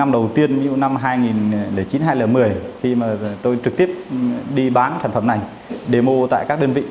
đầu tiên như năm hai nghìn chín hai nghìn một mươi khi mà tôi trực tiếp đi bán sản phẩm này demo tại các đơn vị